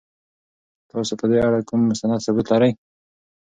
تاسو په دې اړه کوم مستند ثبوت لرئ؟